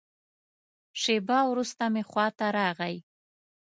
شېبه وروسته مې خوا ته راغی.